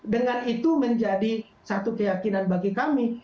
dengan itu menjadi satu keyakinan bagi kami